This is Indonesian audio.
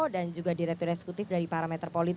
dan juga direktur eksekutif dari parametra